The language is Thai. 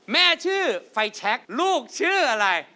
แม่ชื่อไฟแชคลูกชื่ออะไร